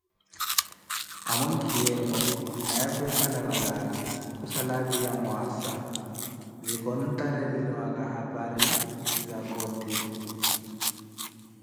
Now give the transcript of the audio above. Amwinkiyeevo naye kwikala valaavi khusala opiiwa mwassa zikhontarelaniwaka hapari za koti.